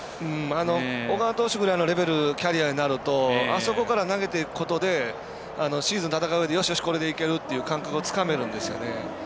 小川投手ぐらいのレベルキャリアになるとあそこから投げていくことでシーズン戦ううえでよし、これでいけるという感覚をつかめるんですよね。